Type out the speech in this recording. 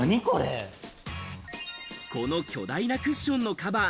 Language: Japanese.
この巨大なクッションのカバー。